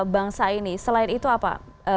bangsa ini selain itu apa